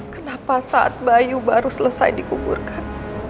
kenapa saat bayu baru selesai dikuburkan